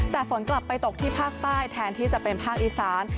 แต่ฝนกลับไปตกที่ภาคใต้แทนที่จะเป็นภาคอีสาน